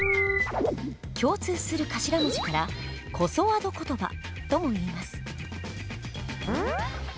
共通する頭文字から「こそあど言葉」ともいいます。